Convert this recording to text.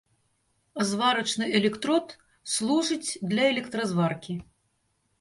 Зварачны электрод служыць для электразваркі.